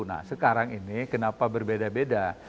nah sekarang ini kenapa berbeda beda